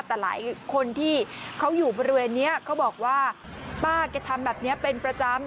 แต่หลายคนที่เขาอยู่บริเวณนี้เขาบอกว่าป้าแกทำแบบนี้เป็นประจำ